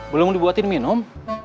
belum dibuatin minum